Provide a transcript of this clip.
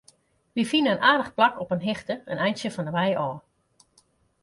Wy fine in aardich plak op in hichte, in eintsje fan 'e wei ôf.